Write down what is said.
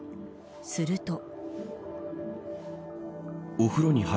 すると。